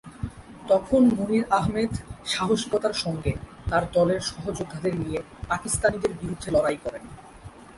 তখন মনির আহমেদ সাহসিকতার সঙ্গে তার দলের সহযোদ্ধাদের নিয়ে পাকিস্তানিদের বিরুদ্ধে লড়াই করেন।